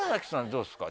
どうですか？